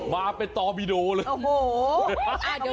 มาเป็นตอบิโดเลย